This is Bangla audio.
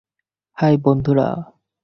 হাই, বন্ধুরা।